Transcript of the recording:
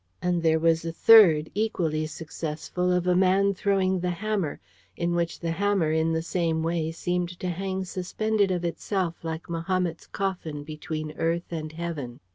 And there was a third, equally successful, of a man throwing the hammer, in which the hammer, in the same way, seemed to hang suspended of itself like Mahomet's coffin between earth and heaven.